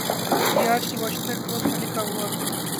یہ آج کی واشنگٹن پوسٹ میں لکھا ہوا